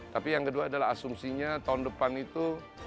tapi yang kedua adalah asumsinya tahun depan itu